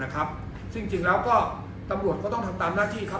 นะครับซึ่งจริงแล้วก็ตำรวจเขาต้องทำตามหน้าที่ครับ